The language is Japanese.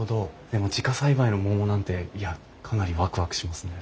でも自家栽培の桃なんていやかなりわくわくしますね。